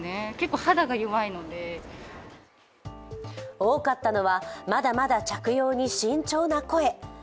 多かったのは、まだまだ着用に慎重な声。